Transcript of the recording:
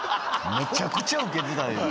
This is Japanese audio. めちゃくちゃウケてた今。